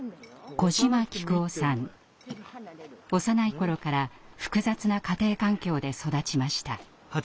幼い頃から複雑な家庭環境で育ちました。